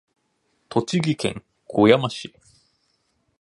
栃木県小山市